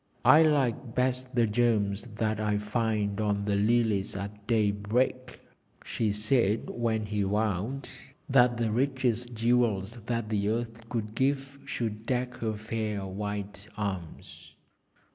'I like best the gems that I find on the lilies at daybreak,' she said, when he vowed that the richest jewels that the earth could give should deck her fair white arms.